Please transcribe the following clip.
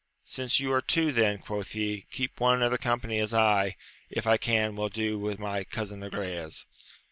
Since you are two, then, quoth he, keep one another company, as I, if I can, will do with my cousin Agrayes.